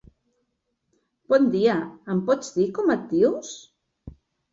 Bon dia, em pots dir com et dius?